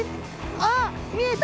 あっ見えた。